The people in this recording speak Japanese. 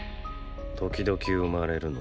時々生まれるのだ。